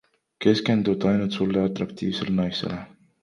Keskendud ainult sulle atraktiivsetele naistele.